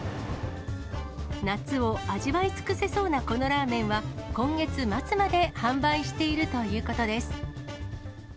夏を味わい尽くせそうなこのラーメンは、今月末まで販売しているということです。